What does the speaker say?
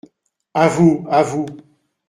A vous, à vous !….